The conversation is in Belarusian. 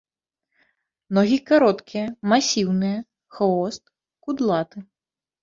Ногі кароткія, масіўныя, хвост кудлаты.